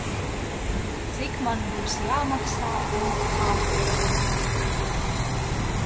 Cik man būs jāmaksā un kad?